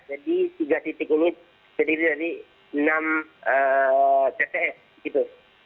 jadi tiga titik ini sendiri dari enam tps